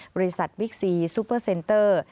บริษัทวิกษีซูเปอร์เซนเตอร์